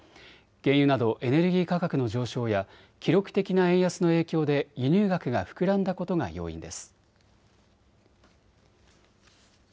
原油などエネルギー価格の上昇や記録的な円安の影響で輸入額が膨らんだことが要因です。